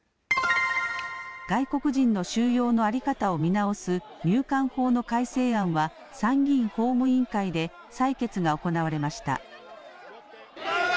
外国人の収容の在り方を見直す入管法の改正案は参議院法務委員会で採決が行われました。